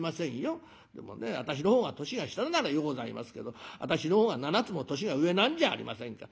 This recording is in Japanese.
でもね私の方が年が下ならようございますけど私の方が７つも年が上なんじゃありませんか。